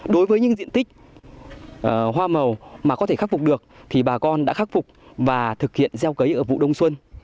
đối với những diện tích hoa màu mà có thể khắc phục được thì bà con đã khắc phục và thực hiện gieo cấy ở vụ đông xuân